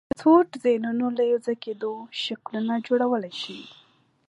د څو ډیزاینونو له یو ځای کېدو شکلونه جوړولی شئ؟